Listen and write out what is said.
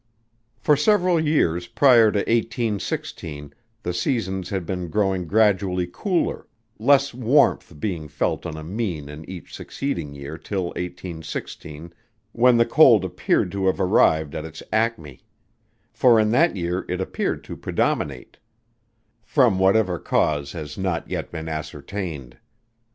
For several years prior to 1816, the seasons had been growing gradually cooler less warmth being felt on a mean in each succeeding year till 1816, when the cold appeared to have arrived at its acme; for in that year it appeared to predominate: from whatever cause has not yet been ascertained.